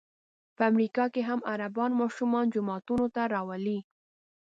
په امریکا کې هم عربان ماشومان جوماتونو ته راولي.